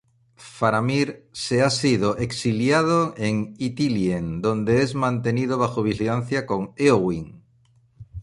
Faramir se ha sido exiliado en Ithilien, donde es mantenido bajo vigilancia con Éowyn.